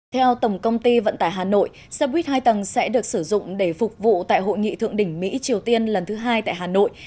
theo tổng công ty vận tải hà nội xe buýt hai tầng sẽ được sử dụng để phục vụ tại hội nghị thượng đỉnh mỹ triều tiên lần thứ hai tại hà nội